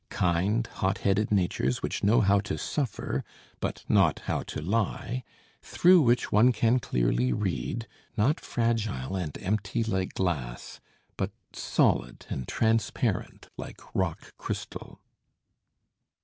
Kind, hot headed natures which know how to suffer, but not how to lie, through which one can clearly read, not fragile and empty like glass, but solid and transparent like rock crystal.